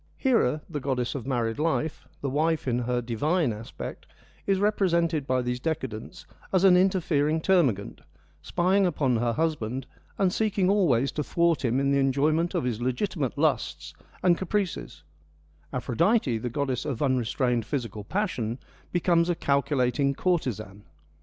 Hera, the goddess of married life, the wife in her divine aspect, is represented by these decadents as an interfering termagant, spying upon her husband and seeking always to thwart him in the enjoyment of his legitimate lusts and caprices ; Aphrodite, the goddess of unre strained physical passion, becomes a calculating courtesan.